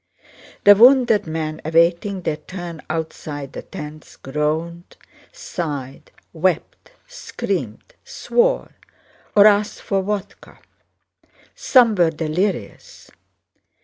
The wounded men awaiting their turn outside the tents groaned, sighed, wept, screamed, swore, or asked for vodka. Some were delirious.